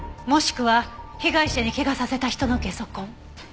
もしくは被害者に怪我させた人のゲソ痕。